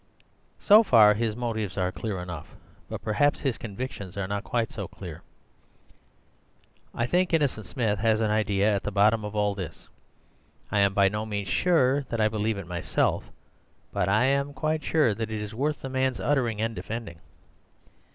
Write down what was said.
"So far his motives are clear enough; but perhaps his convictions are not quite so clear. I think Innocent Smith has an idea at the bottom of all this. I am by no means sure that I believe it myself, but I am quite sure that it is worth a man's uttering and defending.